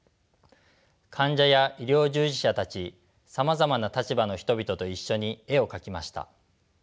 患者や医療従事者たちさまざまな立場の人々と一緒に絵を描きました。